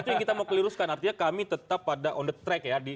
itu yang kita mau keliruskan artinya kami tetap pada on the track ya